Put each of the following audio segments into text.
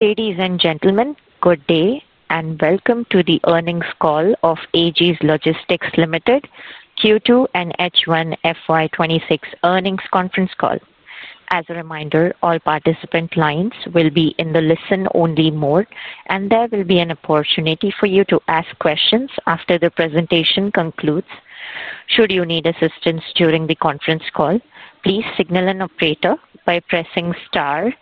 Ladies and gentlemen, good day, and Welcome to the earnings call of Aegis Logistics Ltd, Q2 and H1 FY 2026 earnings conference call. As a reminder, all participant lines will be in the listen-only mode, and there will be an opportunity for you to ask questions after the presentation concludes. Should you need assistance during the conference call, please signal an operator by pressing star,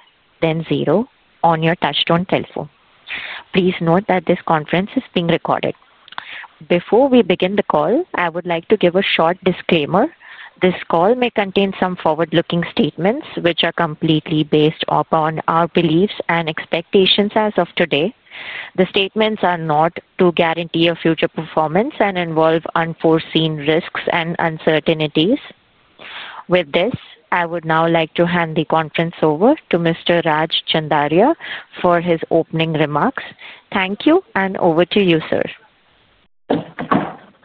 then zero, on your touch-tone telephone. Please note that this conference is being recorded. Before we begin the call, I would like to give a short disclaimer. This call may contain some forward-looking statements, which are completely based upon our beliefs and expectations as of today. The statements are not to guarantee your future performance and involve unforeseen risks and uncertainties. With this, I would now like to hand the conference over to Mr. Raj Chandaria for his opening remarks. Thank you, and over to you, sir.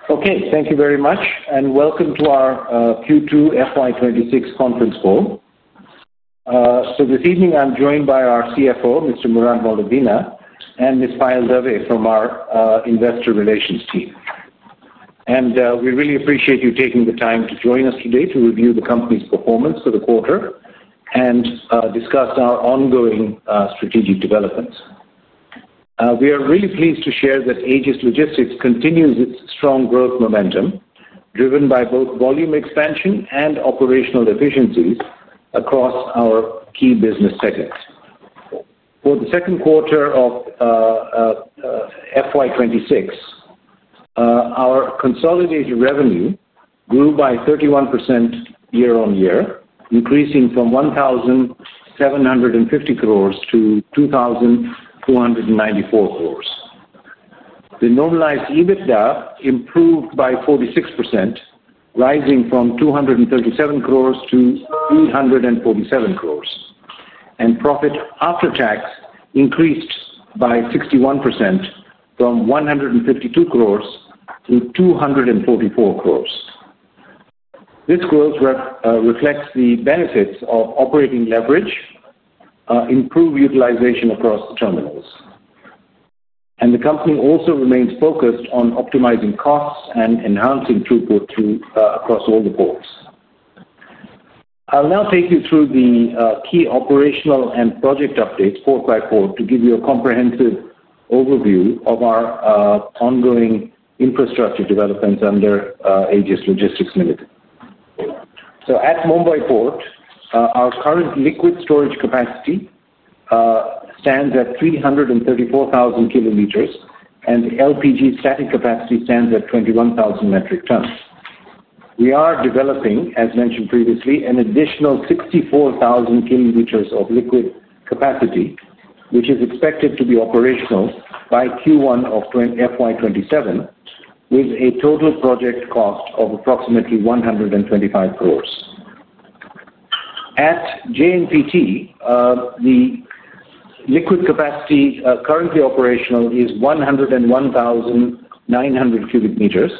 Okay. Thank you very much, and welcome to our Q2 FY 2026 conference call. This evening, I'm joined by our CFO, Mr. Murad, and Ms. Payal Dave from our investor relations team. We really appreciate you taking the time to join us today to review the company's performance for the quarter and discuss our ongoing strategic developments. We are really pleased to share that Aegis Logistics continues its strong growth momentum, driven by both volume expansion and operational efficiencies across our key business segments. For the second quarter of FY 2026, our consolidated revenue grew by 31% year-on-year, increasing from 1,750 crore to 2,294 crore. The normalized EBITDA improved by 46%, rising from 237 crore to 347 crore, and profit after tax increased by 61% from 152 crore to 244 crore. This growth reflects the benefits of operating leverage, improved utilization across the terminals, and the company also remains focused on optimizing costs and enhancing throughput across all the ports. I'll now take you through the key operational and project updates port by port to give you a comprehensive overview of our ongoing infrastructure developments under Aegis Logistics Ltd. At Mumbai Port, our current liquid storage capacity stands at 334,000 kiloliters, and LPG static capacity stands at 21,000 metric tons. We are developing, as mentioned previously, an additional 64,000 kiloliters of liquid capacity, which is expected to be operational by Q1 of FY 2027, with a total project cost of 125 crore. At JNPT, the liquid capacity currently operational is 101,900 cubic meters,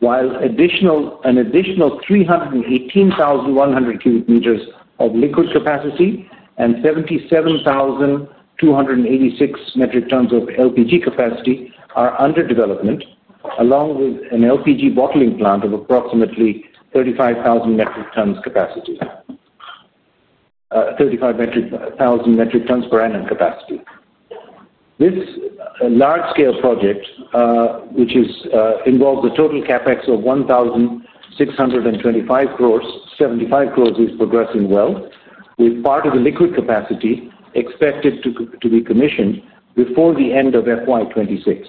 while an additional 318,100 cubic meters of liquid capacity and 77,286 metric tons of LPG capacity are under development, along with an LPG bottling plant of approximately 35,000 metric tons per annum capacity. This large-scale project, which involves a total CapEx of 1,625 crore, 75 crore is progressing well, with part of the liquid capacity expected to be commissioned before the end of FY 2026.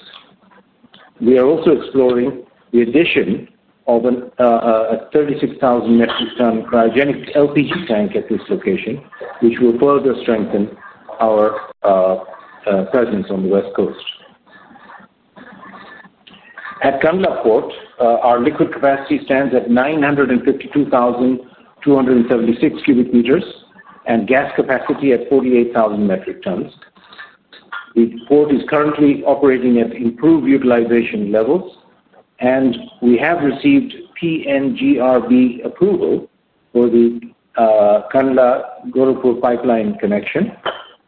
We are also exploring the addition of a 36,000 metric ton cryogenic LPG tank at this location, which will further strengthen our presence on the West Coast. At Kandla Port, our liquid capacity stands at 952,276 cubic meters and gas capacity at 48,000 metric tons. The port is currently operating at improved utilization levels, and we have received PNGRB approval for the Kandla-Gorakhpur pipeline connection,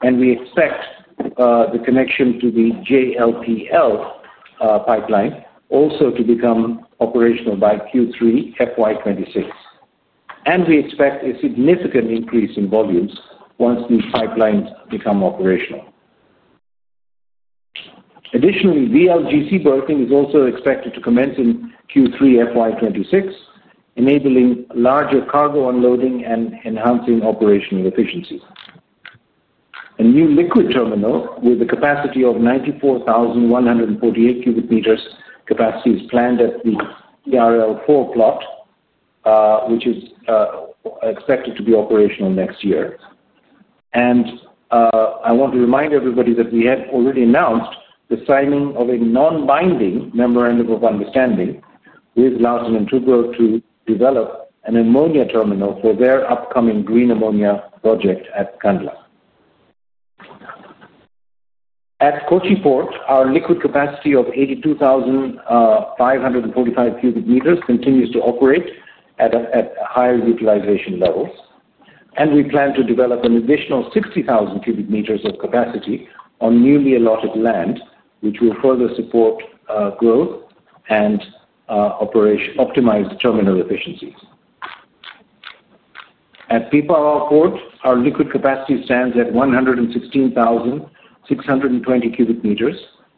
and we expect the connection to the JLPL pipeline also to become operational by Q3 FY 2026. We expect a significant increase in volumes once these pipelines become operational. Additionally, VLGC berthing is also expected to commence in Q3 FY 2026, enabling larger cargo unloading and enhancing operational efficiency. A new liquid terminal with a capacity of 94,148 cubic meters is planned at the CRL-4 plot, which is expected to be operational next year. I want to remind everybody that we have already announced the signing of a non-binding memorandum of understanding with Larsen & Toubro to develop an ammonia terminal for their upcoming green ammonia project at Kandla. At Cochin Port, our liquid capacity of 82,545 cubic meters continues to operate at higher utilization levels, and we plan to develop an additional 60,000 cubic meters of capacity on newly allotted land, which will further support growth and optimize terminal efficiencies. At Pipavav Port, our liquid capacity stands at 116,620 cubic meters,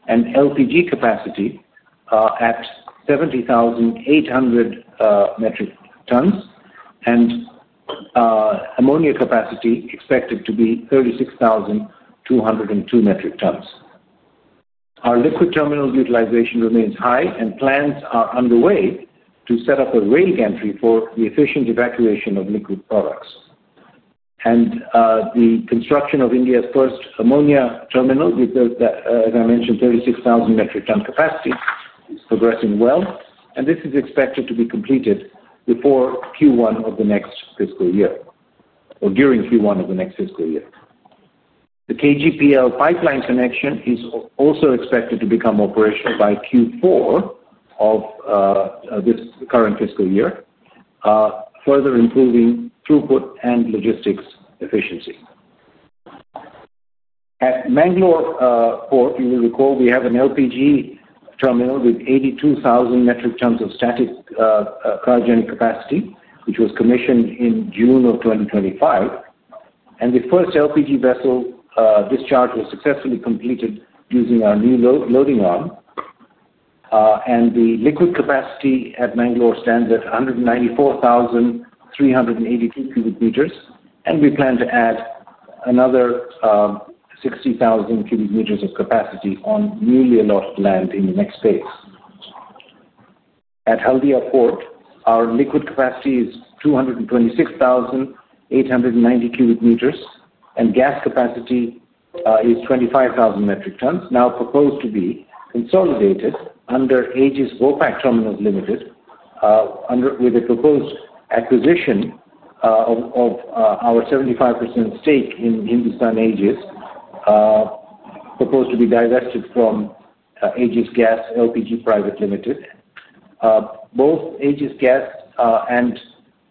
and LPG capacity at 70,800 metric tons, and ammonia capacity expected to be 36,202 metric tons. Our liquid terminal's utilization remains high, and plans are underway to set up a rail gantry for the efficient evacuation of liquid products. The construction of India's first ammonia terminal, with, as I mentioned, 36,000 metric ton capacity, is progressing well, and this is expected to be completed before Q1 of the next fiscal year, or during Q1 of the next fiscal year. The KGPL pipeline connection is also expected to become operational by Q4 of this current fiscal year, further improving throughput and logistics efficiency. At Mangalore Port, you will recall we have an LPG terminal with 82,000 metric tons of static cryogenic capacity, which was commissioned in June of 2025, and the first LPG vessel discharge was successfully completed using our new loading arm. The liquid capacity at Mangalore stands at 194,382 cubic meters, and we plan to add another 60,000 cubic meters of capacity on newly allotted land in the next phase. At Haldia Port, our liquid capacity is 226,890 cubic meters, and gas capacity is 25,000 metric tons, now proposed to be consolidated under Aegis Vopak Terminals Limited, with a proposed acquisition of our 75% stake in Hindustan Aegis, proposed to be divested from Aegis Gas LPG Private Limited. Both Aegis Gas and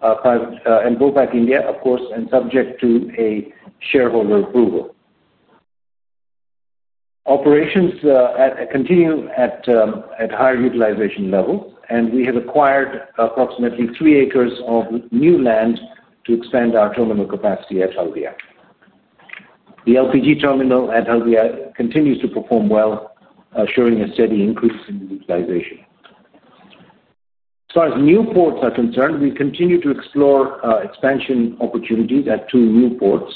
Gopak India, of course, and subject to a shareholder approval. Operations continue at higher utilization levels, and we have acquired approximately three acres of new land to expand our terminal capacity at Haldia. The LPG terminal at Haldia continues to perform well, showing a steady increase in utilization. As far as new ports are concerned, we continue to explore expansion opportunities at two new ports.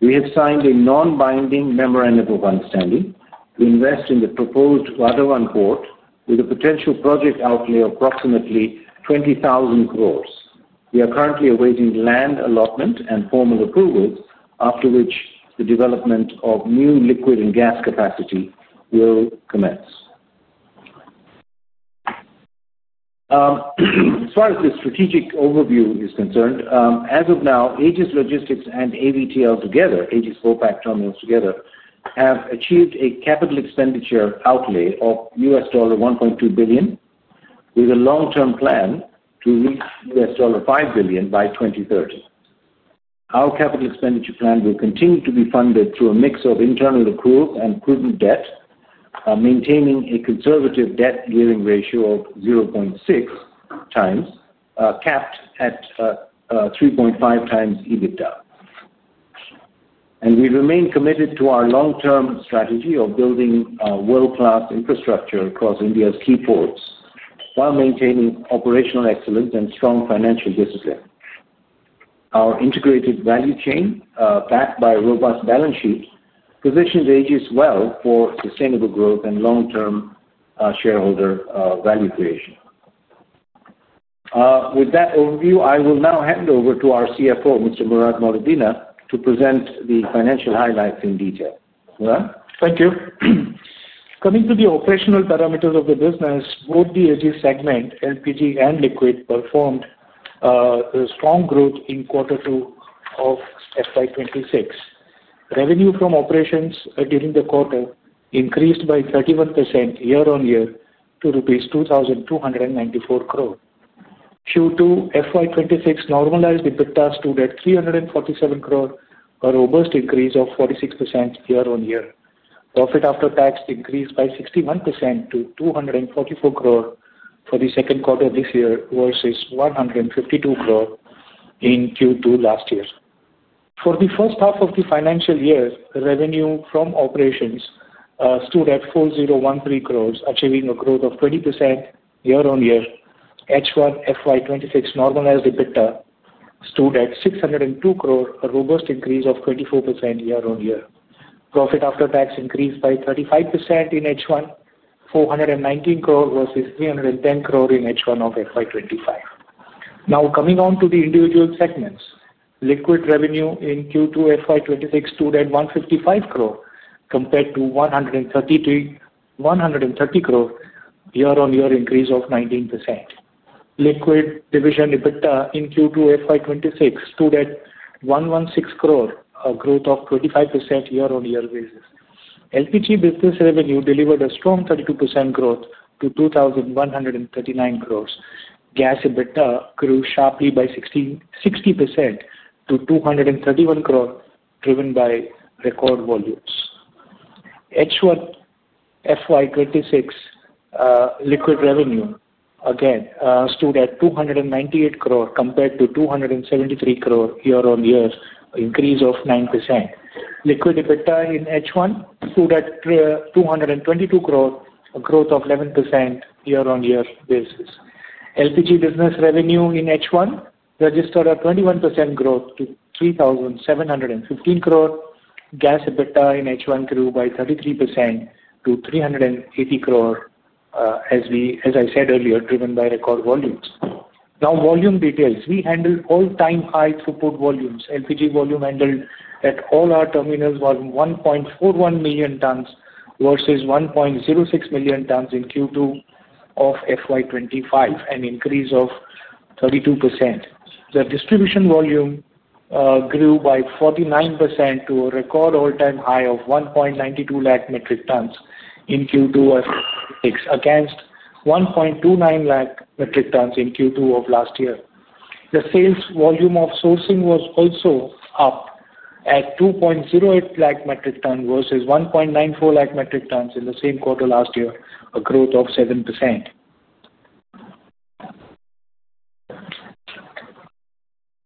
We have signed a non-binding memorandum of understanding to invest in the proposed Vadhavan Port, with a potential project outlay of 20,000 crore. We are currently awaiting land allotment and formal approvals, after which the development of new liquid and gas capacity will commence. As far as the strategic overview is concerned, as of now, Aegis Logistics and AVTL together, Aegis Vopak Terminals together, have achieved a capital expenditure outlay of $1.2 billion, with a long-term plan to reach $5 billion by 2030. Our capital expenditure plan will continue to be funded through a mix of internal accrual and prudent debt, maintaining a conservative debt-equity ratio of 0.6x, capped at 3.5x EBITDA. We remain committed to our long-term strategy of building world-class infrastructure across India's key ports, while maintaining operational excellence and strong financial discipline. Our integrated value chain, backed by a robust balance sheet, positions Aegis well for sustainable growth and long-term shareholder value creation. With that overview, I will now hand over to our CFO, Mr. Murad Moledina, to present the financial highlights in detail. Murad? Thank you. Coming to the operational parameters of the business, both the Aegis segment, LPG, and liquid performed strong growth in quarter two of FY 2026. Revenue from operations during the quarter increased by 31% year-on-year to rupees 2,294 crore. Q2 FY 2026 normalized EBITDA stood at 347 crore, a robust increase of 46% year-on-year. Profit after tax increased by 61% to 244 crore for the second quarter of this year versus 152 crore in Q2 last year. For the first half of the financial year, revenue from operations stood at 4,013 crore, achieving a growth of 20% year-on-year. H1 FY 2026 normalized EBITDA stood at 602 crore, a robust increase of 24% year-on-year. Profit after tax increased by 35% in H1, 419 crore versus 310 crore in H1 of FY 2025. Now coming on to the individual segments, liquid revenue in Q2 FY 2026 stood at 155 crore compared to 130 crore year-on-year, increase of 19%. Liquid division EBITDA in Q2 FY 2026 stood at 116 crore, a growth of 25% year-on-year basis. LPG business revenue delivered a strong 32% growth to 2,139 crore. Gas EBITDA grew sharply by 60% to 231 crore, driven by record volumes. H1 FY 2026 liquid revenue, again, stood at 298 crore compared to 273 crore year-on-year, an increase of 9%. Liquid EBITDA in H1 stood at 222 crore, a growth of 11% year-on-year basis. LPG business revenue in H1 registered a 21% growth to 3,715 crore. Gas EBITDA in H1 grew by 33% to 380 crore, as I said earlier, driven by record volumes. Now volume details. We handled all-time high throughput volumes. LPG volume handled at all our terminals was 1.41 million tons versus 1.06 million tons in Q2 of FY 2025, an increase of 32%. The distribution volume grew by 49% to a record all-time high of 1.92 lakh metric tons in Q2 of FY 2026, against 1.29 lakh metric tons in Q2 of last year. The sales volume of sourcing was also up at 2.08 lakh metric tons versus 1.94 lakh metric tons in the same quarter last year, a growth of 7%.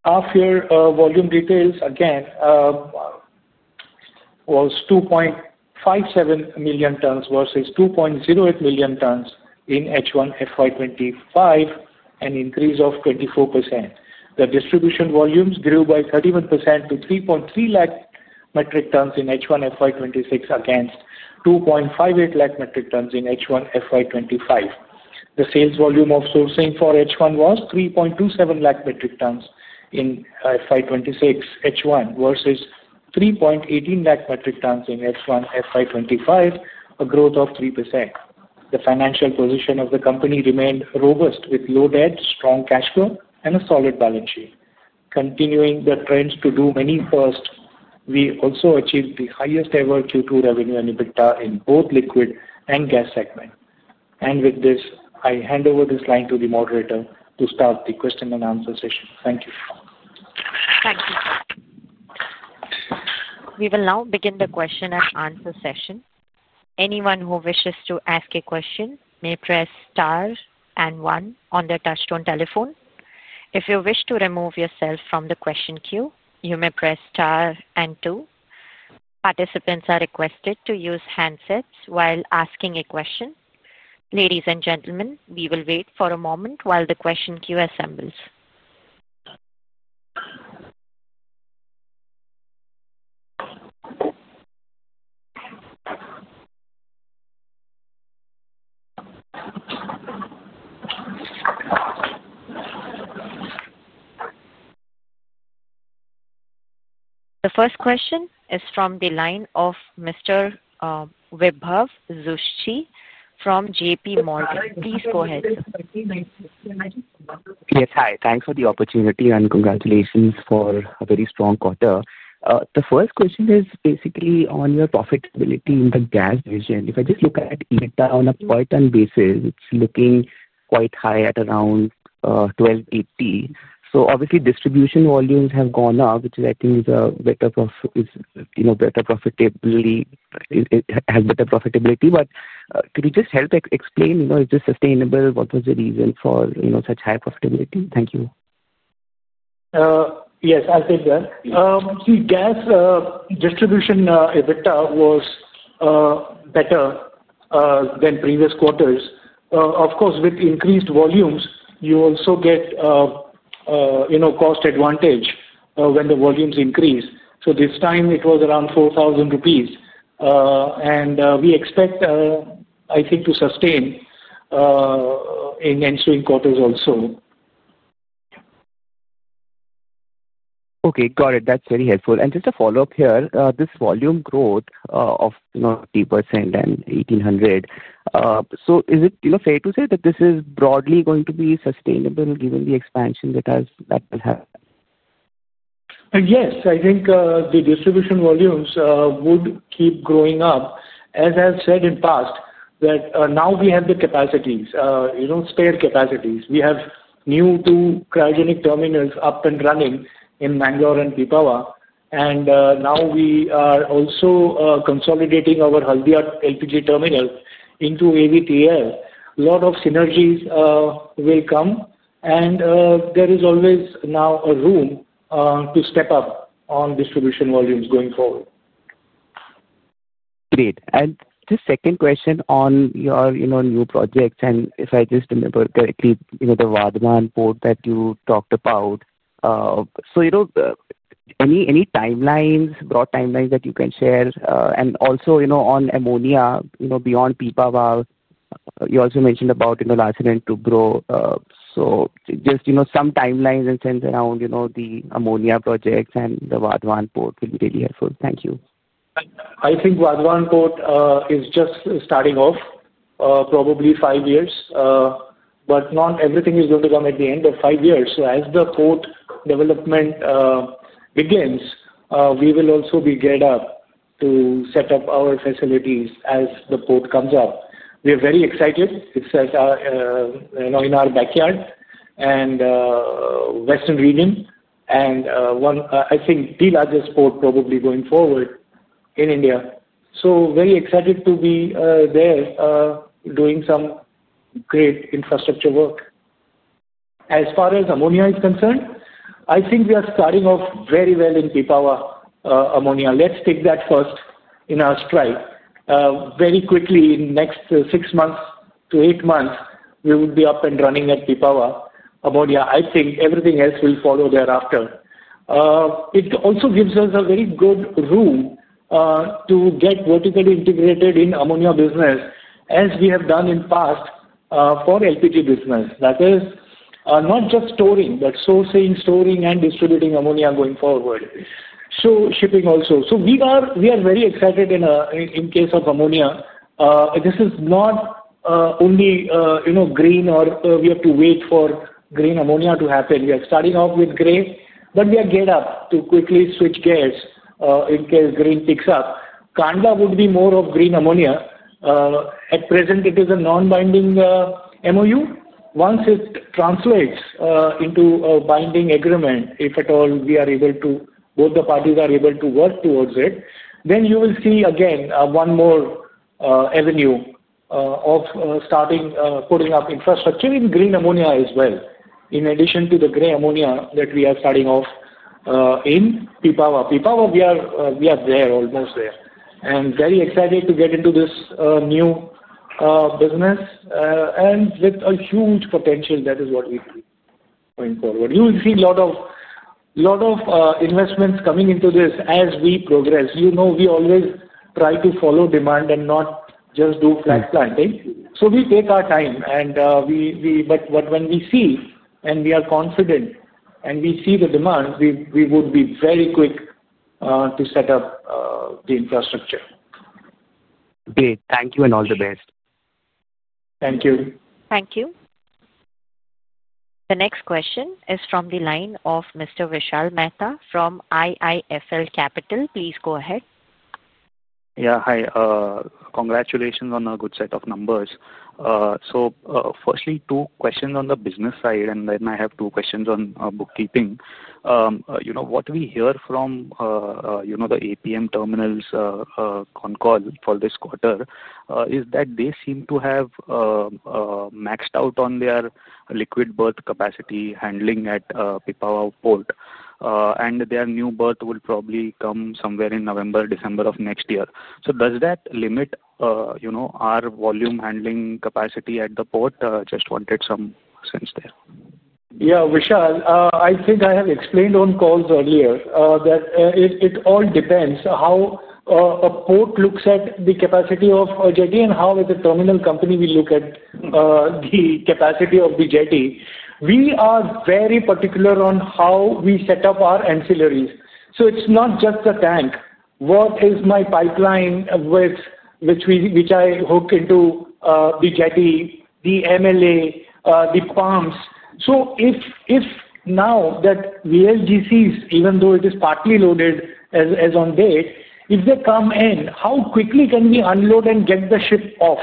Half-year volume details, again, was 2.57 million tons versus 2.08 million tons in H1 FY 2025, an increase of 24%. The distribution volumes grew by 31% to 3.3 lakh metric tons in H1 FY 2026, against 2.58 lakh metric tons in H1 FY 2025. The sales volume of sourcing for H1 was 3.27 lakh metric tons in FY 2026 H1 versus 3.18 lakh metric tons in H1 FY 2025, a growth of 3%. The financial position of the company remained robust, with low debt, strong cash flow, and a solid balance sheet. Continuing the trends to do many firsts, we also achieved the highest-ever Q2 revenue and EBITDA in both liquid and gas segment. With this, I hand over this line to the moderator to start the question and answer session. Thank you. Thank you. We will now begin the question and answer session. Anyone who wishes to ask a question may press star and one on the touchstone telephone. If you wish to remove yourself from the question queue, you may press star and two. Participants are requested to use handsets while asking a question. Ladies and gentlemen, we will wait for a moment while the question queue assembles. The first question is from the line of Mr. Vibhav Zutshi from JPMorgan. Please go ahead. Yes, hi. Thanks for the opportunity, and congratulations for a very strong quarter. The first question is basically on your profitability in the gas division. If I just look at EBITDA on a per ton basis, it's looking quite high at around 1,280. Obviously, distribution volumes have gone up, which I think is a better profitability. It has better profitability. Could you just help explain? Is this sustainable? What was the reason for such high profitability? Thank you. Yes, I'll take that. See, gas distribution EBITDA was better than previous quarters. Of course, with increased volumes, you also get cost advantage when the volumes increase. This time, it was around 4,000 rupees, and we expect, I think, to sustain in ensuing quarters also. Okay, got it. That is very helpful. Just a follow-up here, this volume growth of 30% and 1,800. Is it fair to say that this is broadly going to be sustainable given the expansion that will happen? Yes, I think the distribution volumes would keep growing up, as I've said in the past, that now we have the capacities, spare capacities. We have new two cryogenic terminals up and running in Mangalore and Pipavav, and now we are also consolidating our Haldia LPG terminal into AVTL. A lot of synergies will come, and there is always now a room to step up on distribution volumes going forward. Great. Just second question on your new projects, and if I just remember correctly, the Vadhavan Port that you talked about. Any timelines, broad timelines that you can share? Also on ammonia, beyond Pipavav, you also mentioned about Larsen & Toubro. Just some timelines in terms around the ammonia projects and the Vadhavan Port will be really helpful. Thank you. I think Vadhavan Port is just starting off, probably five years, but not everything is going to come at the end of five years. As the port development begins, we will also be geared up to set up our facilities as the port comes up. We are very excited. It is in our backyard and Western region and, I think, the largest port probably going forward in India. Very excited to be there doing some great infrastructure work. As far as ammonia is concerned, I think we are starting off very well in Pipavav ammonia. Let's take that first in our stride. Very quickly, in the next six months to eight months, we will be up and running at Pipavav ammonia. I think everything else will follow thereafter. It also gives us a very good room to get vertically integrated in ammonia business, as we have done in the past for LPG business. That is not just storing, but sourcing, storing, and distributing ammonia going forward. Shipping also. We are very excited in case of ammonia. This is not only green or we have to wait for green ammonia to happen. We are starting off with gray, but we are geared up to quickly switch gears in case green picks up. Kandla would be more of green ammonia. At present, it is a non-binding MoU. Once it translates into a binding agreement, if at all we are able to, both the parties are able to work towards it, you will see again one more avenue of starting putting up infrastructure in green ammonia as well, in addition to the gray ammonia that we are starting off in Pipavav. Pipavav, we are there, almost there. Very excited to get into this new business and with a huge potential. That is what we believe going forward. You will see a lot of investments coming into this as we progress. You know we always try to follow demand and not just do flat planting. We take our time, but when we see and we are confident and we see the demand, we would be very quick to set up the infrastructure. Great. Thank you and all the best. Thank you. Thank you. The next question is from the line of Mr. Vishal Mehta from IIFL Capital. Please go ahead. Yeah, hi. Congratulations on a good set of numbers. Firstly, two questions on the business side, and then I have two questions on bookkeeping. What we hear from the APM Terminals on call for this quarter is that they seem to have maxed out on their liquid berth capacity handling at Pipavav Port, and their new berth will probably come somewhere in November, December of next year. Does that limit our volume handling capacity at the port? Just wanted some sense there. Yeah, Vishal, I think I have explained on calls earlier that it all depends on how a port looks at the capacity of a jetty and how, as a terminal company, we look at the capacity of the jetty. We are very particular on how we set up our ancillaries. It is not just the tank. What is my pipeline with which I hook into the jetty, the MLA, the pumps? If now that VLGCs, even though it is partly loaded as on date, if they come in, how quickly can we unload and get the ship off?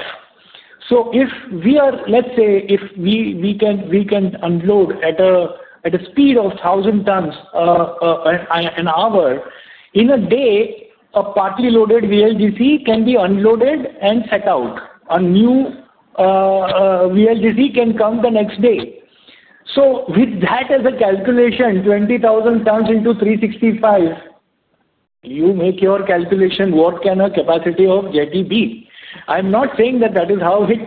If we are, let's say, if we can unload at a speed of 1,000 tons an hour, in a day, a partly loaded VLGC can be unloaded and set out. A new VLGC can come the next day. With that as a calculation, 20,000 tons into 365, you make your calculation what can a capacity of jetty be. I'm not saying that that is how it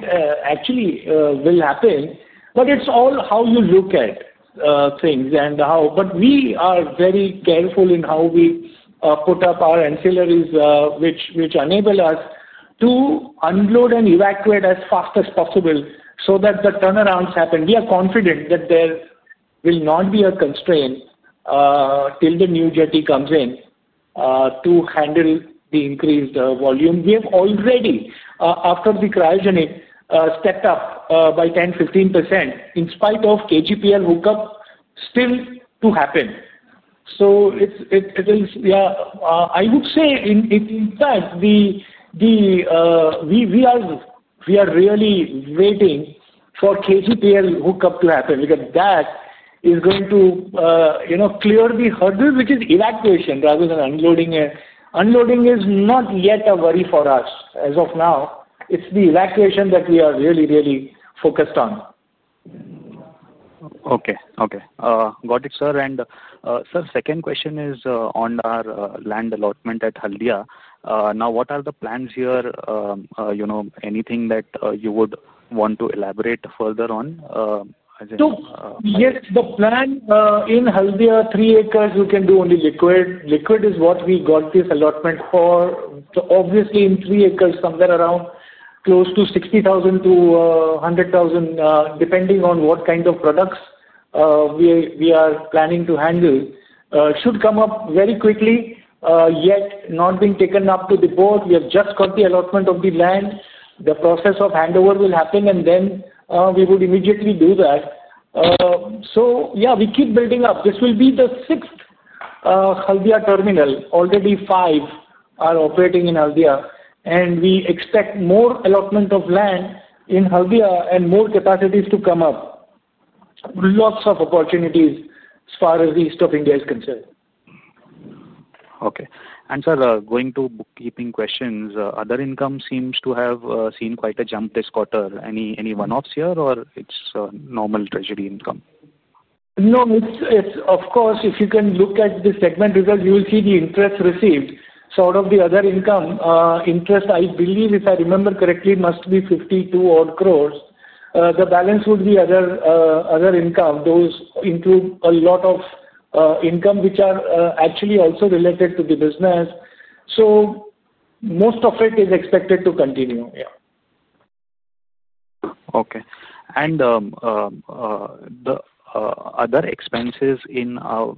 actually will happen, but it's all how you look at things and how. We are very careful in how we put up our ancillaries, which enable us to unload and evacuate as fast as possible so that the turnarounds happen. We are confident that there will not be a constraint till the new jetty comes in to handle the increased volume. We have already, after the cryogenic, stepped up by 10%-15% in spite of KGPL hookup still to happen. It is, yeah, I would say in fact, we are really waiting for KGPL hookup to happen because that is going to clear the hurdle, which is evacuation rather than unloading. Unloading is not yet a worry for us as of now. It's the evacuation that we are really, really focused on. Okay, okay. Got it, sir. Sir, second question is on our land allotment at Haldia. Now, what are the plans here? Anything that you would want to elaborate further on? Yes, the plan in Haldia, three acres, we can do only liquid. Liquid is what we got this allotment for. Obviously, in three acres, somewhere around close to 60,000 metric tonnes-100,000 metric tonnes, depending on what kind of products we are planning to handle, should come up very quickly, yet not being taken up to the board. We have just got the allotment of the land. The process of handover will happen, and then we would immediately do that. Yeah, we keep building up. This will be the sixth Haldia terminal. Already five are operating in Haldia, and we expect more allotment of land in Haldia and more capacities to come up. Lots of opportunities as far as the east of India is concerned. Okay. Sir, going to bookkeeping questions, other income seems to have seen quite a jump this quarter. Any one-offs here, or it's normal treasury income? No, of course, if you can look at the segment results, you will see the interest received. Out of the other income, interest, I believe, if I remember correctly, must be 520 million-odd. The balance would be other income. Those include a lot of income which are actually also related to the business. Most of it is expected to continue, yeah. Okay. The other expenses in our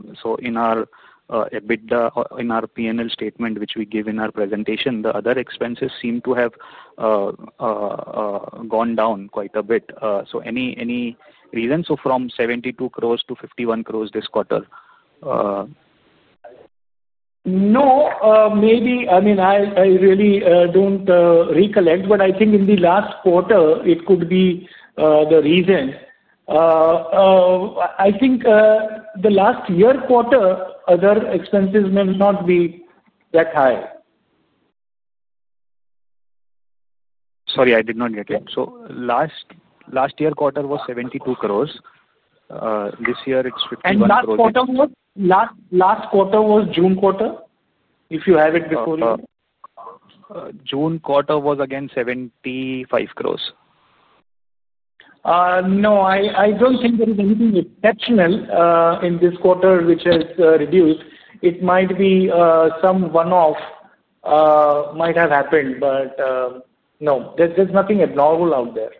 EBITDA in our PNL statement, which we gave in our presentation, the other expenses seem to have gone down quite a bit. Any reason? From 72 crore to 51 crore this quarter? No, maybe. I mean, I really don't recollect, but I think in the last quarter, it could be the reason. I think the last year quarter, other expenses may not be that high. Sorry, I did not get it. Last year quarter was 72 crore. This year, it's 51 crore. Last quarter was June quarter, if you have it before you. June quarter was again 75 crore. No, I don't think there is anything exceptional in this quarter which has reduced. It might be some one-off might have happened, but no, there's nothing abnormal out there.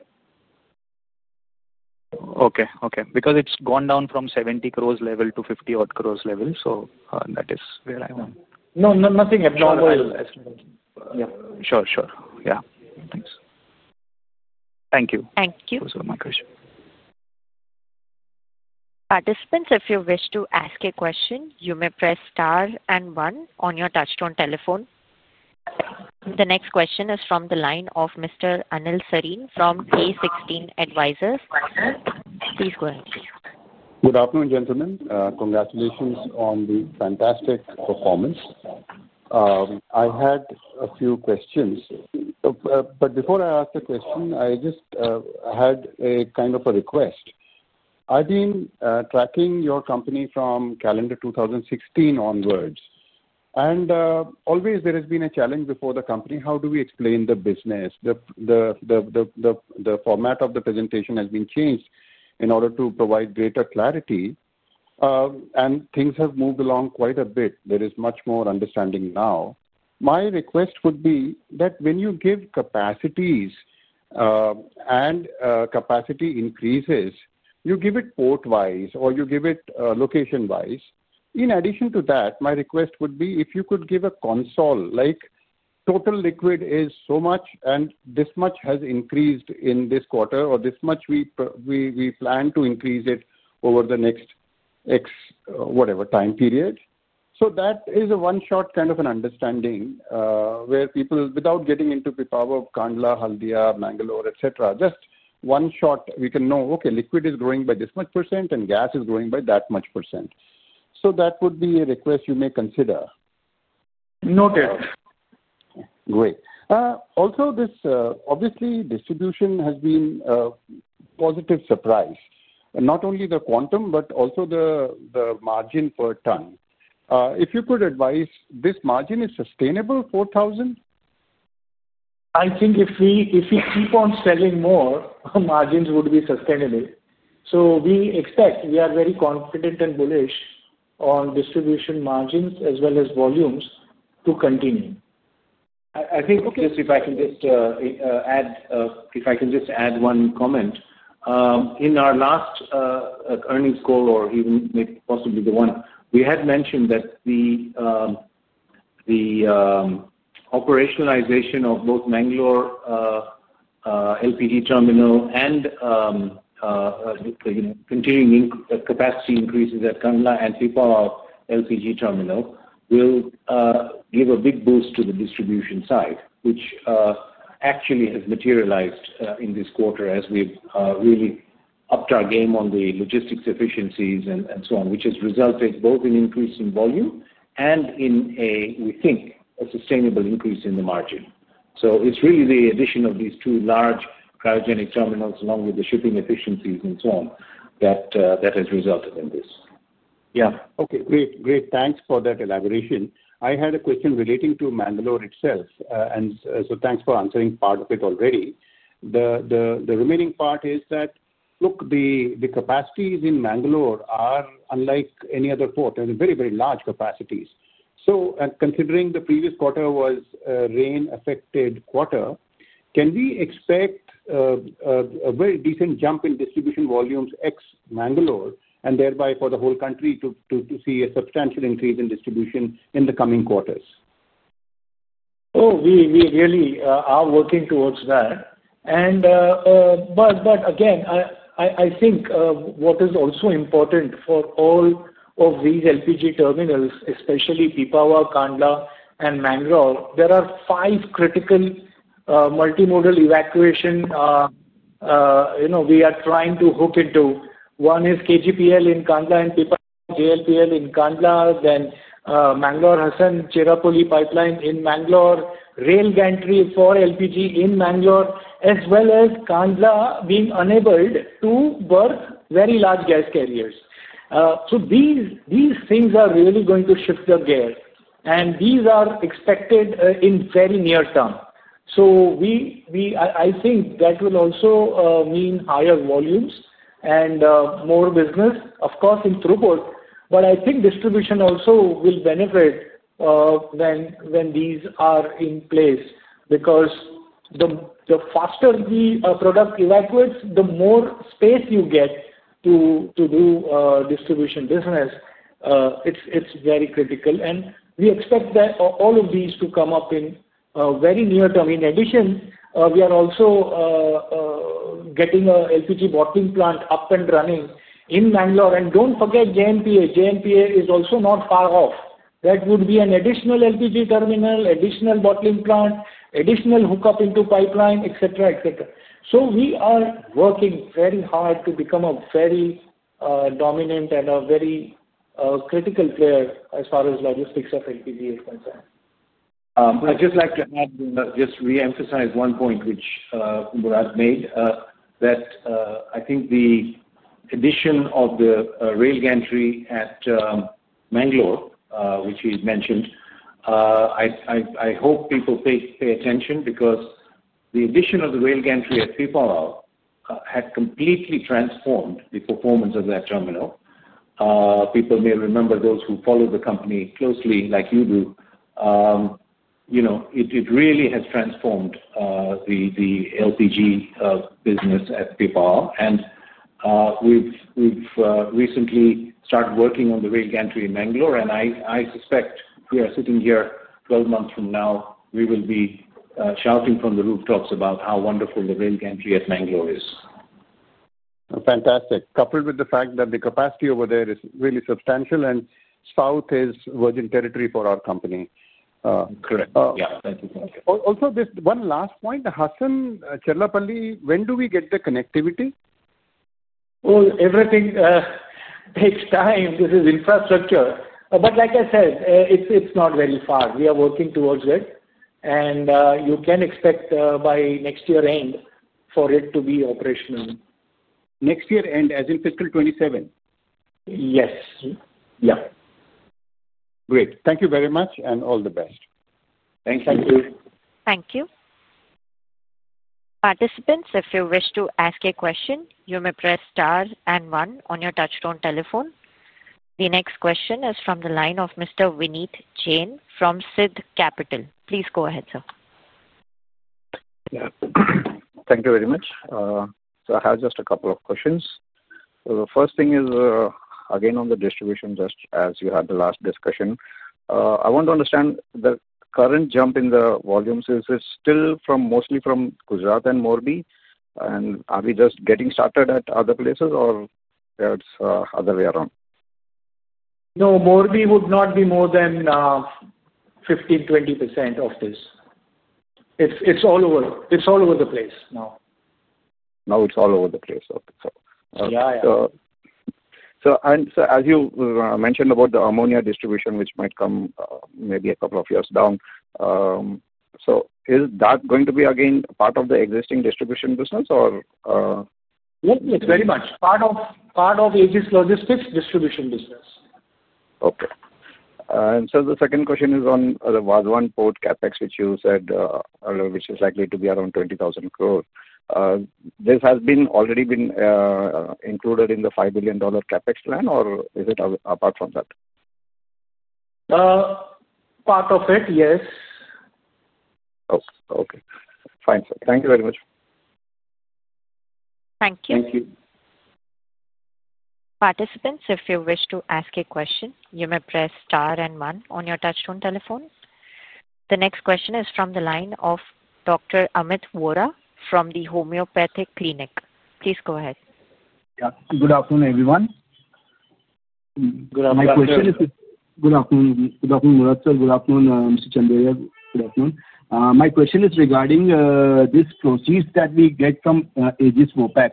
Okay, okay. Because it has gone down from 700 million level to 500 million-odd level. That is where I am. No, nothing abnormal. Sure, sure. Yeah. Thanks. Thank you. That was all my questions. Participants, if you wish to ask a question, you may press star and one on your touchstone telephone. The next question is from the line of Mr. Anil Sarin from K16 Advisors. Please go ahead. Good afternoon, gentlemen. Congratulations on the fantastic performance. I had a few questions. Before I ask the question, I just had a kind of a request. I've been tracking your company from calendar 2016 onwards. Always, there has been a challenge before the company. How do we explain the business? The format of the presentation has been changed in order to provide greater clarity, and things have moved along quite a bit. There is much more understanding now. My request would be that when you give capacities and capacity increases, you give it port-wise or you give it location-wise. In addition to that, my request would be if you could give a console, like, "Total liquid is so much, and this much has increased in this quarter," or, "This much we plan to increase it over the next X, whatever, time period." That is a one-shot kind of an understanding where people, without getting into Pipavav, Kandla, Haldia, Mangalore, etc., just one shot, we can know, "Okay, liquid is growing by this much %, and gas is growing by that much %." That would be a request you may consider. Noted. Great. Also, obviously, distribution has been a positive surprise, not only the quantum but also the margin per ton. If you could advise, this margin is sustainable, 4,000? I think if we keep on selling more, margins would be sustainable. We expect we are very confident and bullish on distribution margins as well as volumes to continue. I think if I can just add one comment, in our last earnings call or even possibly the one before, we had mentioned that the operationalization of both Mangalore LPG terminal and continuing capacity increases at Kandla and Pipavav LPG terminal will give a big boost to the distribution side, which actually has materialized in this quarter as we've really upped our game on the logistics efficiencies and so on, which has resulted both in increasing volume and in a, we think, a sustainable increase in the margin. It is really the addition of these two large cryogenic terminals along with the shipping efficiencies and so on that has resulted in this. Yeah. Okay. Great, great. Thanks for that elaboration. I had a question relating to Mangalore itself, and thanks for answering part of it already. The remaining part is that, look, the capacities in Mangalore are unlike any other port. They're very, very large capacities. Considering the previous quarter was a rain-affected quarter, can we expect a very decent jump in distribution volumes ex-Mangalore and thereby for the whole country to see a substantial increase in distribution in the coming quarters? Oh, we really are working towards that. Again, I think what is also important for all of these LPG terminals, especially Pipavav, Kandla, and Mangalore, there are five critical multimodal evacuation we are trying to hook into. One is KGPL in Kandla and Pipavav, JLPL in Kandla, then Mangalore-Hassan-Cherlapalli pipeline in Mangalore, rail gantry for LPG in Mangalore, as well as Kandla being enabled to berth very large gas carriers. These things are really going to shift the gear, and these are expected in very near term. I think that will also mean higher volumes and more business, of course, in throughput. I think distribution also will benefit when these are in place because the faster the product evacuates, the more space you get to do distribution business. It is very critical. We expect all of these to come up in very near term. In addition, we are also getting an LPG bottling plant up and running in Mangalore. Do not forget JNPT. JNPT is also not far off. That would be an additional LPG terminal, additional bottling plant, additional hookup into pipeline, etc., etc. We are working very hard to become a very dominant and a very critical player as far as logistics of LPG is concerned. I'd just like to just re-emphasize one point which Murad made, that I think the addition of the rail gantry at Mangalore, which he mentioned, I hope people pay attention because the addition of the rail gantry at Pipavav had completely transformed the performance of that terminal. People may remember those who follow the company closely, like you do. It really has transformed the LPG business at Pipavav. We've recently started working on the rail gantry in Mangalore, and I suspect we are sitting here 12 months from now, we will be shouting from the rooftops about how wonderful the rail gantry at Mangalore is. Fantastic. Coupled with the fact that the capacity over there is really substantial and south is virgin territory for our company. Correct. Yeah. Thank you for that. Also, just one last point. Hassan-Cherlapalli, when do we get the connectivity? Everything takes time. This is infrastructure. Like I said, it's not very far. We are working towards it, and you can expect by next year's end for it to be operational. Next year's end, as in fiscal 2027? Yes. Yeah. Great. Thank you very much and all the best. Thank you. Thank you. Participants, if you wish to ask a question, you may press star and one on your touchstone telephone. The next question is from the line of Mr. [Vineet Jain] from Sidd Capital. Please go ahead, sir. Yeah. Thank you very much. I have just a couple of questions. The first thing is, again, on the distribution, just as you had the last discussion, I want to understand the current jump in the volumes. Is it still mostly from Gujarat and Morbi? Are we just getting started at other places, or is it the other way around? No, Morbi would not be more than 15%-20% of this. It's all over. It's all over the place now. Now it's all over the place. Okay. So. As you mentioned about the ammonia distribution, which might come maybe a couple of years down, is that going to be again part of the existing distribution business, or? Yes, very much. Part of Aegis Logistics distribution business. Okay. Sir, the second question is on the Vadhavan Port CapEx, which you said earlier, which is likely to be around 20,000 crore. This has already been included in the $5 billion CapEx plan, or is it apart from that? Part of it, yes. Okay. Fine. Thank you very much. Thank you. Participants, if you wish to ask a question, you may press star and one on your touchstone telephone. The next question is from the line of Dr. Amit Vora from the Homeopathic Clinic. Please go ahead. Good afternoon, everyone. Good afternoon. My question is good afternoon, Murad sir. Good afternoon, Mr. Chandaria. Good afternoon. My question is regarding these proceeds that we get from Aegis Vopak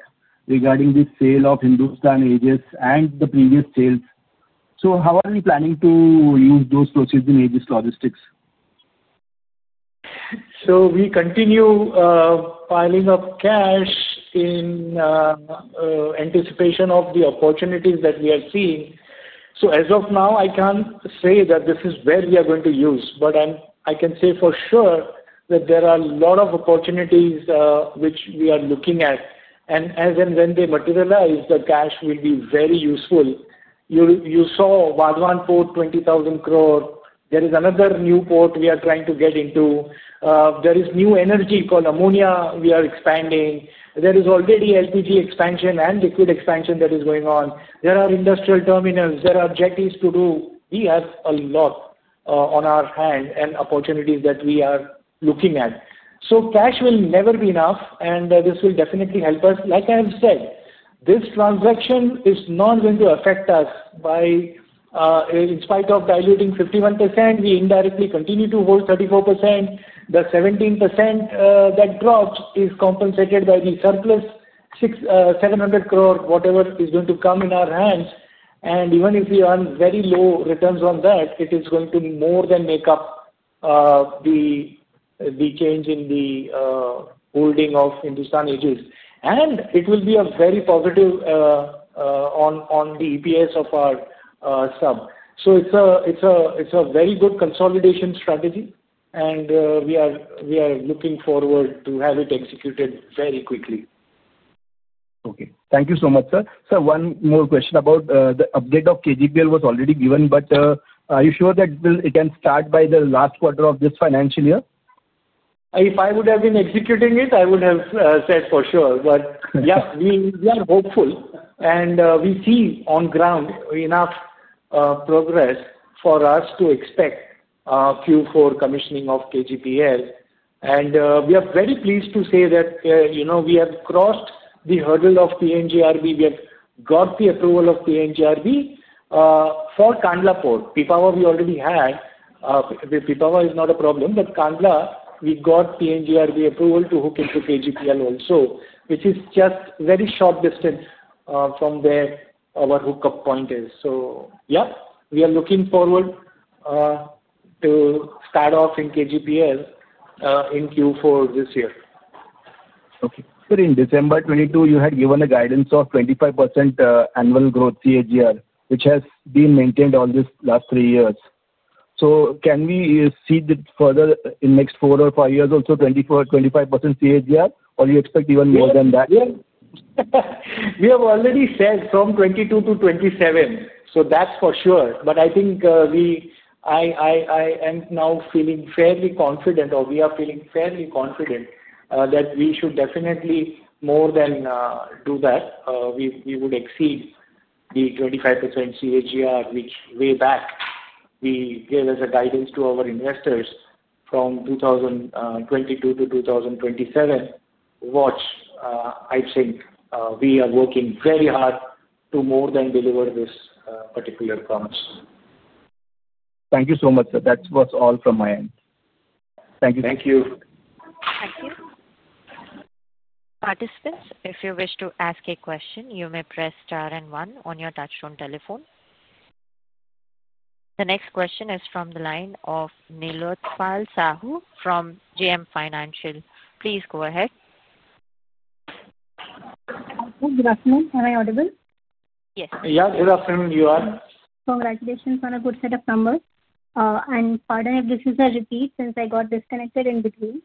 regarding the sale of Hindustan Aegis and the previous sales. How are you planning to use those proceeds in Aegis Logistics? We continue piling up cash in anticipation of the opportunities that we are seeing. As of now, I can't say that this is where we are going to use it, but I can say for sure that there are a lot of opportunities which we are looking at. As and when they materialize, the cash will be very useful. You saw Vadhavan Port, 20,000 crore. There is another new port we are trying to get into. There is new energy called ammonia we are expanding. There is already LPG expansion and liquid expansion that is going on. There are industrial terminals. There are jetties to do. We have a lot on our hand and opportunities that we are looking at. Cash will never be enough, and this will definitely help us. Like I have said, this transaction is not going to affect us by in spite of diluting 51%, we indirectly continue to hold 34%. The 17% that dropped is compensated by the surplus, 7.00 billion, whatever is going to come in our hands. Even if we earn very low returns on that, it is going to more than make up the change in the holding of Hindustan Aegis. It will be very positive on the EPS of our sub. It is a very good consolidation strategy, and we are looking forward to have it executed very quickly. Okay. Thank you so much, sir. Sir, one more question about the update of KGPL was already given, but are you sure that it can start by the last quarter of this financial year? If I would have been executing it, I would have said for sure. Yeah, we are hopeful, and we see on ground enough progress for us to expect Q4 commissioning of KGPL. We are very pleased to say that we have crossed the hurdle of PNGRB. We have got the approval of PNGRB for Kandla Port. Pipavav, we already had. Pipavav is not a problem, but Kandla, we got PNGRB approval to hook into KGPL also, which is just very short distance from where our hookup point is. Yeah, we are looking forward to start off in KGPL in Q4 this year. Okay. In December 2022, you had given a guidance of 25% annual growth CAGR, which has been maintained all these last three years. Can we see further in the next four or five years also 25% CAGR, or do you expect even more than that? We have already said from 2022-2027, so that's for sure. I think I am now feeling fairly confident, or we are feeling fairly confident that we should definitely more than do that. We would exceed the 25% CAGR, which way back we gave as a guidance to our investors from 2022 -2027. Watch, I think we are working very hard to more than deliver this particular promise. Thank you so much, sir. That was all from my end. Thank you. Thank you. Thank you. Participants, if you wish to ask a question, you may press star and one on your touchstone telephone. The next question is from the line of [Niloth Pal Sahu] from GM Financial. Please go ahead. Am I audible? Yes. Yeah, [Niloth], you are. Congratulations on a good set of numbers. Pardon if this is a repeat since I got disconnected in between.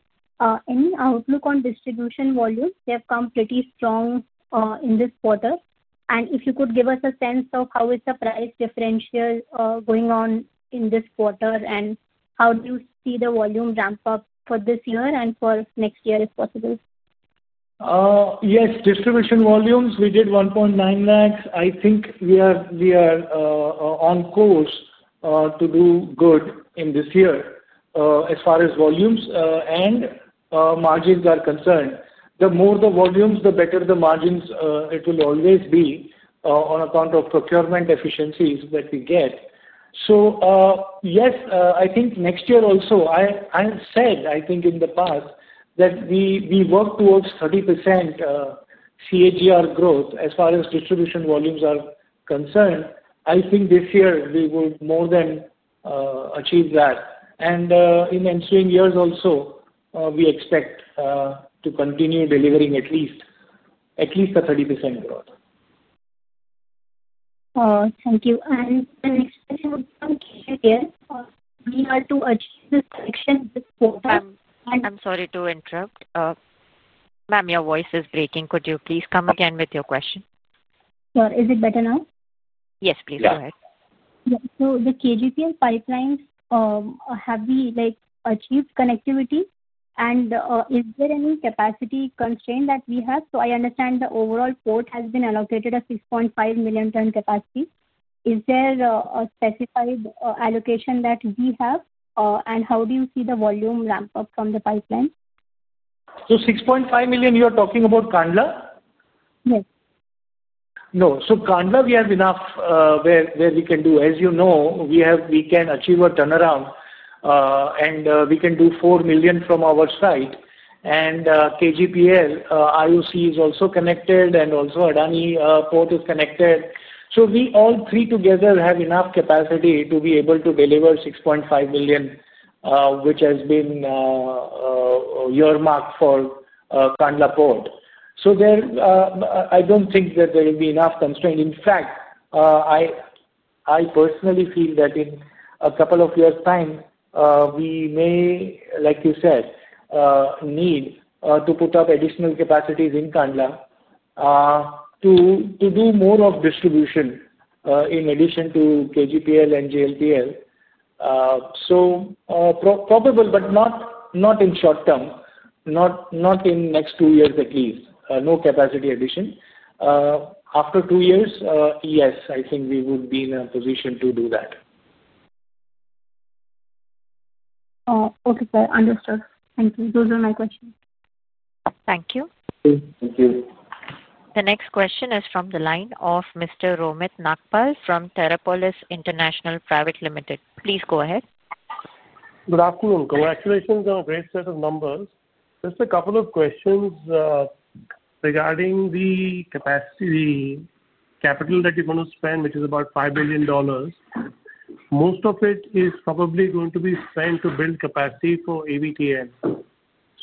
Any outlook on distribution volumes? They have come pretty strong in this quarter. If you could give us a sense of how is the price differential going on in this quarter and how do you see the volume ramp up for this year and for next year if possible? Yes. Distribution volumes, we did 1.9 lakh. I think we are on course to do good in this year as far as volumes and margins are concerned. The more the volumes, the better the margins it will always be on account of procurement efficiencies that we get. Yes, I think next year also, I have said, I think in the past that we work towards 30% CAGR growth as far as distribution volumes are concerned. I think this year we would more than achieve that. In ensuing years also, we expect to continue delivering at least the 30% growth. Thank you. An expectation from KGPL, we are to achieve this action this quarter. I'm sorry to interrupt. Ma'am, your voice is breaking. Could you please come again with your question? Sure. Is it better now? Yes, please go ahead. Yeah. So the KGPL pipelines, have we achieved connectivity? Is there any capacity constraint that we have? I understand the overall port has been allocated a 6.5 million ton capacity. Is there a specified allocation that we have? How do you see the volume ramp up from the pipeline? 6.5 million, you are talking about Kandla? Yes. No. Kandla, we have enough where we can do. As you know, we can achieve a turnaround, and we can do 4 million from our side. KGPL, IOC is also connected, and also Adani Port is connected. We all three together have enough capacity to be able to deliver 6.5 million, which has been a year mark for Kandla Port. I do not think that there will be enough constraint. In fact, I personally feel that in a couple of years' time, we may, like you said, need to put up additional capacities in Kandla to do more of distribution in addition to KGPL and JLPL. Probable, but not in short term, not in next two years at least. No capacity addition. After two years, yes, I think we would be in a position to do that. Okay, sir. Understood. Thank you. Those are my questions. Thank you. The next question is from the line of Mr. Romit Nagpal from Terrapolis International Private Limited. Please go ahead. Good afternoon. Congratulations on a great set of numbers. Just a couple of questions regarding the capacity capital that you're going to spend, which is about $5 billion. Most of it is probably going to be spent to build capacity for AVTL.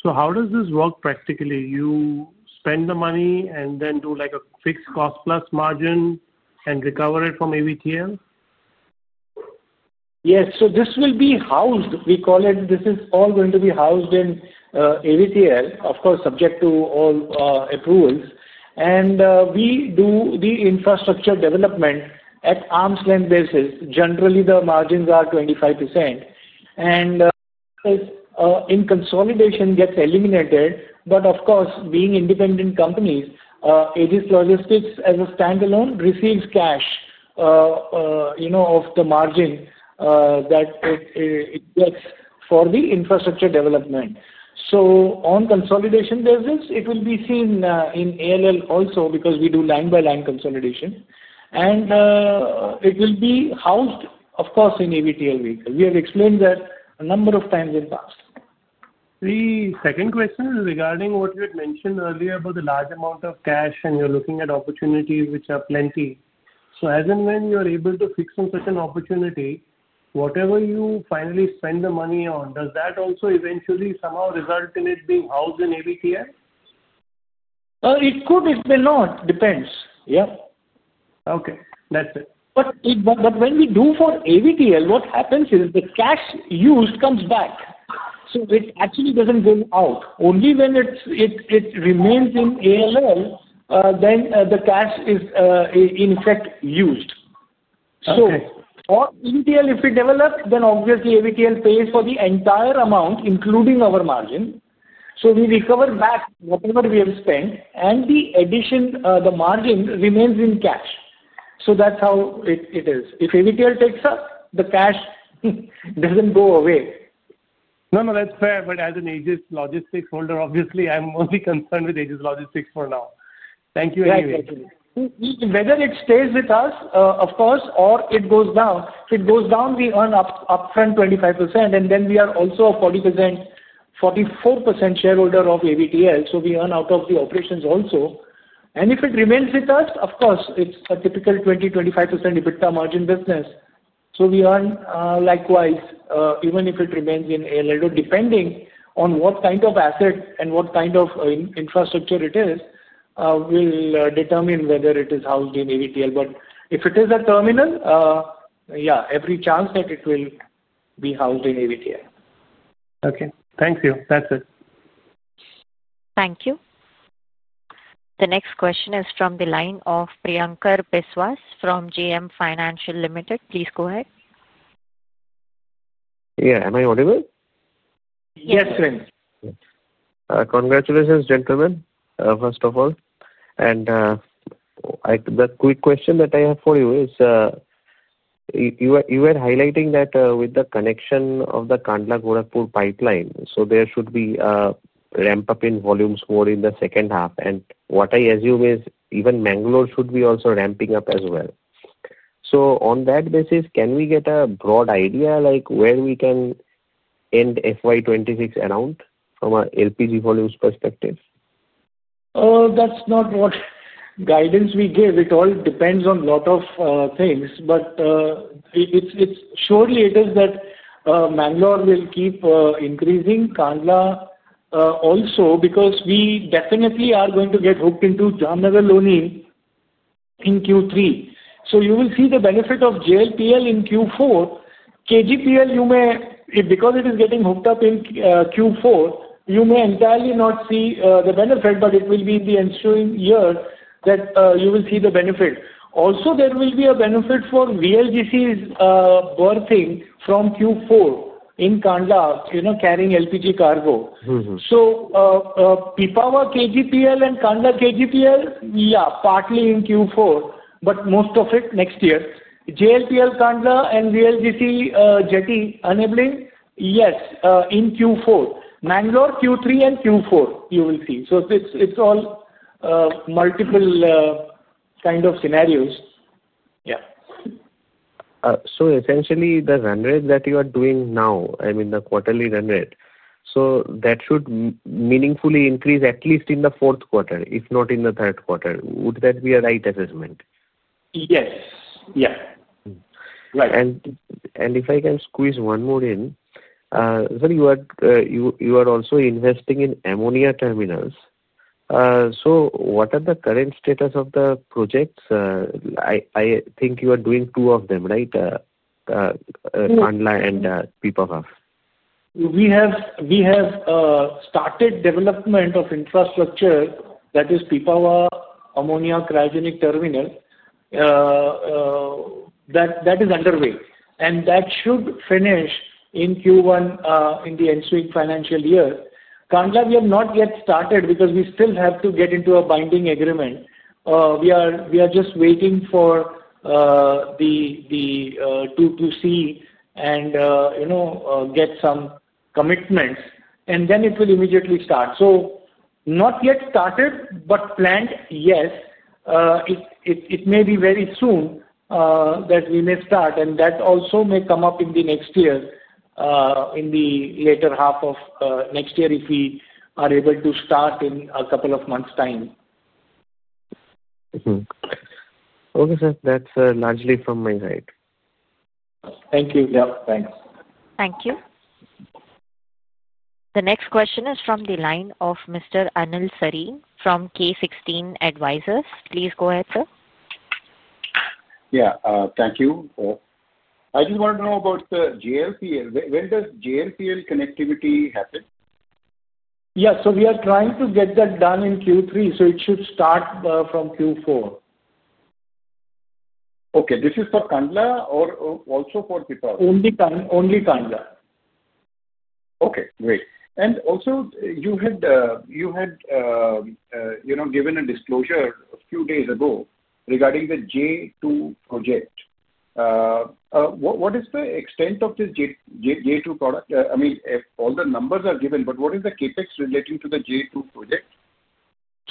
How does this work practically? You spend the money and then do a fixed cost plus margin and recover it from AVTL? Yes. This will be housed, we call it, this is all going to be housed in AVTL, of course, subject to all approvals. We do the infrastructure development at arm's length basis. Generally, the margins are 25%. In consolidation, it gets eliminated. Of course, being independent companies, Aegis Logistics as a standalone receives cash of the margin that it gets for the infrastructure development. On consolidation basis, it will be seen in ALL also because we do line-by-line consolidation. It will be housed, of course, in AVTL vehicle. We have explained that a number of times in the past. The second question is regarding what you had mentioned earlier about the large amount of cash, and you're looking at opportunities which are plenty. As and when you are able to fix in such an opportunity, whatever you finally spend the money on, does that also eventually somehow result in it being housed in AVTL? It could. It may not. Depends. Yeah. Okay. That's it. When we do for AVTL, what happens is the cash used comes back. It actually does not go out. Only when it remains in ALL, then the cash is, in effect, used. For AVTL, if we develop, then obviously AVTL pays for the entire amount, including our margin. We recover back whatever we have spent, and the addition, the margin remains in cash. That is how it is. If AVTL takes up, the cash does not go away. No, no, that's fair. But as an Aegis Logistics holder, obviously, I'm only concerned with Aegis Logistics for now. Thank you anyway. Right. Whether it stays with us, of course, or it goes down. If it goes down, we earn upfront 25%, and then we are also a 40%-44% shareholder of AVTL. So we earn out of the operations also. If it remains with us, of course, it is a typical 20%-25% EBITDA margin business. We earn likewise, even if it remains in ALL, depending on what kind of asset and what kind of infrastructure it is, will determine whether it is housed in AVTL. If it is a terminal, yeah, every chance that it will be housed in AVTL. Okay. Thank you. That's it. Thank you. The next question is from the line of Priyankar Biswas from JM Financial Limited. Please go ahead. Yeah. Am I audible? Yes, sir. Congratulations, gentlemen, first of all. The quick question that I have for you is you were highlighting that with the connection of the Kandla-Gorakhpur pipeline, there should be a ramp-up in volumes more in the second half. What I assume is even Mangalore should be also ramping up as well. On that basis, can we get a broad idea where we can end FY 2026 around from an LPG volumes perspective? That's not what guidance we give. It all depends on a lot of things. But surely it is that Mangalore will keep increasing, Kandla also, because we definitely are going to get hooked into Jamnagar only in Q3. You will see the benefit of JLPL in Q4. KGPL, because it is getting hooked up in Q4, you may entirely not see the benefit, but it will be in the ensuing year that you will see the benefit. Also, there will be a benefit for VLGCs berthing from Q4 in Kandla carrying LPG cargo. Pipavav, KGPL, and Kandla, KGPL, yeah, partly in Q4, but most of it next year. JLPL, Kandla, and VLGC Jetty enabling, yes, in Q4. Mangalore, Q3, and Q4, you will see. It's all multiple kind of scenarios. Yeah. Essentially, the run rate that you are doing now, I mean the quarterly run rate, that should meaningfully increase at least in the fourth quarter, if not in the third quarter. Would that be a right assessment? Yes. Yeah, right. If I can squeeze one more in, sir, you are also investing in ammonia terminals. What are the current status of the projects? I think you are doing two of them, right, Kandla and Pipavav. We have started development of infrastructure, that is Pipavav ammonia cryogenic terminal. That is underway. That should finish in Q1 in the ensuing financial year. Kandla, we have not yet started because we still have to get into a binding agreement. We are just waiting for the 2QC and get some commitments. It will immediately start. Not yet started, but planned, yes. It may be very soon that we may start. That also may come up in the next year, in the later half of next year, if we are able to start in a couple of months' time. Okay, sir. That's largely from my side. Thank you. Thank you. The next question is from the line of Mr. Anil Sarin from K16 Advisors. Please go ahead, sir. Yeah. Thank you. I just wanted to know about the JLPL. When does JLPL connectivity happen? Yeah. We are trying to get that done in Q3, so it should start from Q4. Okay. This is for Kandla or also for Pipavav? Only Kandla. Okay. Great. Also, you had given a disclosure a few days ago regarding the J2 project. What is the extent of this J2 project? I mean, all the numbers are given, but what is the CapEx relating to the J2 project?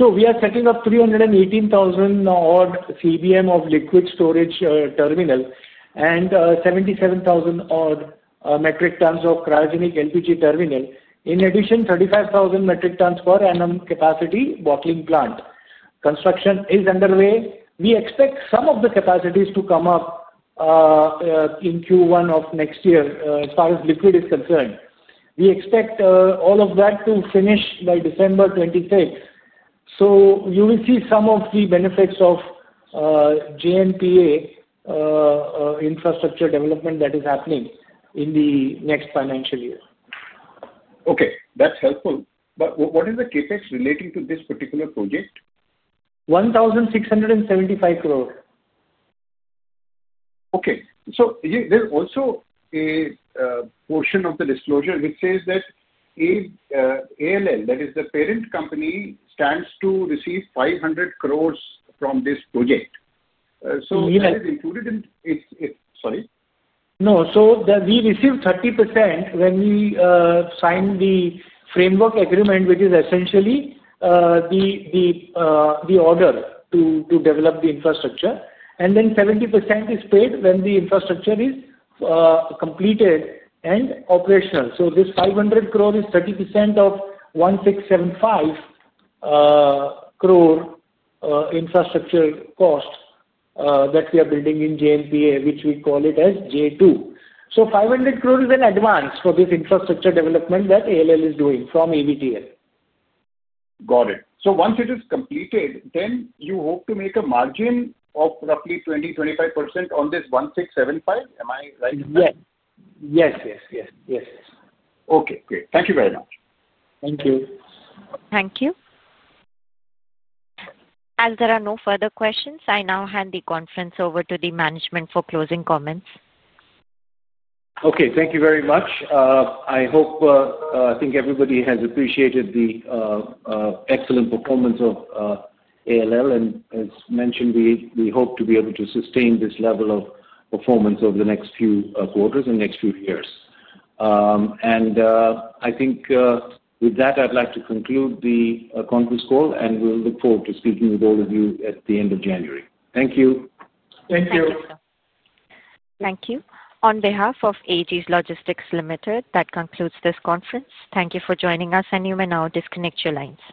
We are setting up 318,000 odd CBM of liquid storage terminal and 77,000 odd metric tons of cryogenic LPG terminal. In addition, 35,000 metric tons per annum capacity bottling plant. Construction is underway. We expect some of the capacities to come up in Q1 of next year as far as liquid is concerned. We expect all of that to finish by December 26th. You will see some of the benefits of JNPA infrastructure development that is happening in the next financial year. Okay. That's helpful. What is the CapEx relating to this particular project? 1,675 crore. Okay. So there's also a portion of the disclosure which says that ALL, that is the parent company, stands to receive 500 crore from this project. Is that included in? Yes. No. We received 30% when we signed the framework agreement, which is essentially the order to develop the infrastructure. Then 70% is paid when the infrastructure is completed and operational. This 500 crore is 30% of the 1,675 crore infrastructure cost that we are building in JNPA, which we call J2. 500 crore is an advance for this infrastructure development that ALL is doing from AVTL. Got it. Once it is completed, then you hope to make a margin of roughly 20%-25% on this 1,675? Am I right? Yes. Okay. Great. Thank you very much. Thank you. Thank you. As there are no further questions, I now hand the conference over to the management for closing comments. Okay. Thank you very much. I think everybody has appreciated the excellent performance of ALL. As mentioned, we hope to be able to sustain this level of performance over the next few quarters and next few years. I think with that, I'd like to conclude the conference call, and we look forward to speaking with all of you at the end of January. Thank you. Thank you. Thank you. On behalf of Aegis Logistics Ltd, that concludes this conference. Thank you for joining us, and you may now disconnect your lines.